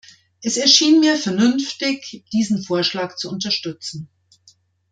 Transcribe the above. Es erschien mir vernünftig, diesen Vorschlag zu unterstützen.